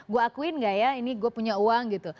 gue akuin gak ya ini gue punya uang gitu